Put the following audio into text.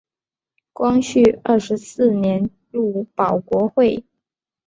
光绪二十四年入保国会。